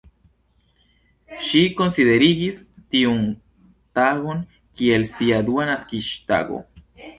Ŝi konsideris tiun tagon kiel sia dua naskiĝtago.